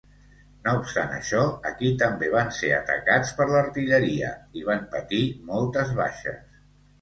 No obstant això, aquí, també, van ser atacats per l'artilleria i van patir moltes baixes.